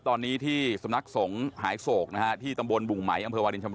ตอนนี้ที่สำนักสงฆ์หายโศกนะฮะที่ตำบลบุ่งไหมอำเภอวาลินชำ